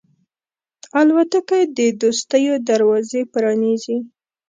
الوتکه د دوستیو دروازې پرانیزي.